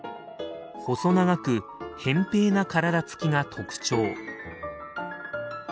細長くへん平な体つきが特徴。